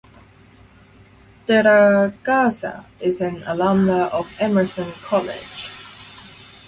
De la Garza is an alumna of Emerson College.